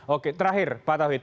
oke terakhir pak tawid